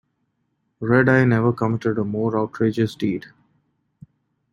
Red-Eye never committed a more outrageous deed.